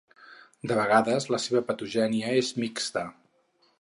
De vegades, la seva patogènia és mixta.